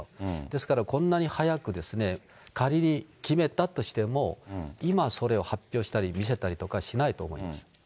ですからこんなに早く、仮に、決めたとしても、今、それを発表したり、見せたりとかはしないと思います。